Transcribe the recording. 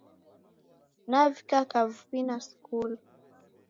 Navika kavui na skulu